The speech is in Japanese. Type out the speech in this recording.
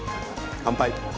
乾杯！